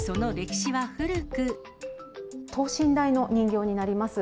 等身大の人形になります。